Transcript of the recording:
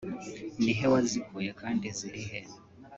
nihe wazikuye kandi zirihe